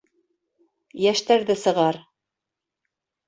Йәштәрҙе сығар.